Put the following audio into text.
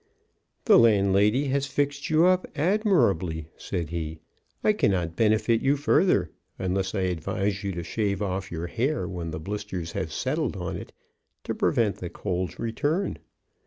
"The landlady has fixed you up admirably," said he; "I cannot benefit you further, unless I advise you to shave off your hair when the blisters have settled on it, to prevent the cold's return."